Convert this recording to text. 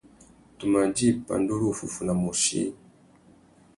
Tu mà djï pandúruffúffuna môchï.